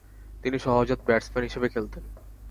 তিনি সহজাত ব্যাটসম্যান হিসেবে খেলতেন।